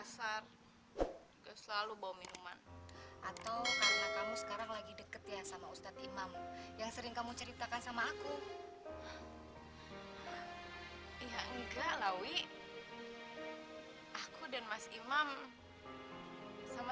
sampai jumpa di video selanjutnya